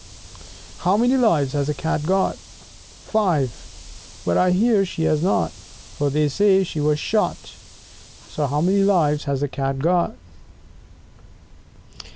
9 How many Lives has the Cat got? FIVE! But I hear she has not; For they say she was shot. So how many Lives has the Cat got?